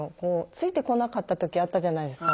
ついてこなかった時あったじゃないですか。